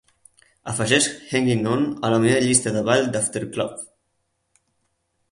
Afegeix Hanging On a la meva llista de ball d'aftercluv.